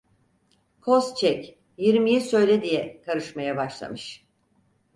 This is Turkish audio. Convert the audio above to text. Koz çek, yirmiyi söylediye karışmaya başlamış.